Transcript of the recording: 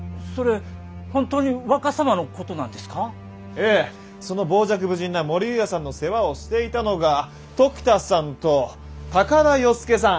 ええその傍若無人な母里由也さんの世話をしていたのが時田さんと高田与助さん